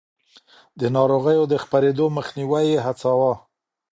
د ناروغيو د خپرېدو مخنيوی يې هڅاوه.